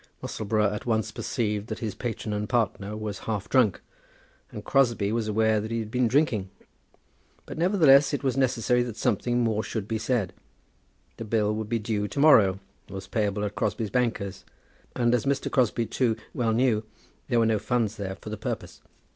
Musselboro at once perceived that his patron and partner was half drunk, and Crosbie was aware that he had been drinking. But, nevertheless, it was necessary that something more should be said. The bill would be due to morrow, was payable at Crosbie's bankers; and, as Mr. Crosbie too well knew, there were no funds there for the purpose.